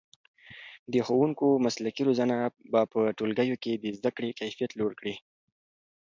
د ښوونکو مسلکي روزنه به په ټولګیو کې د زده کړې کیفیت لوړ کړي.